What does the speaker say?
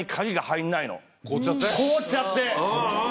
凍っちゃって？